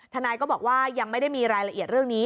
ทนายก็บอกว่ายังไม่ได้มีรายละเอียดเรื่องนี้